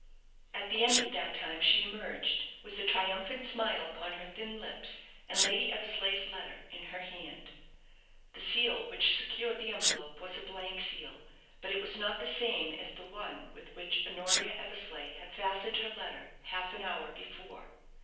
At the end of that time she emerged, with a triumphant smile upon her thin lips, and Lady Eversleigh's letter in her hand. The seal which secured the envelope was a blank seal; but it was not the same as the one with which Honoria Eversleigh had fastened her letter half an hour before.